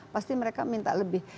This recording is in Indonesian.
pasti mereka minta lebih